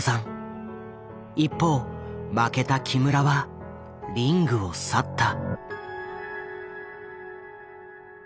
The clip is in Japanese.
一方負けた木村はリングを去った。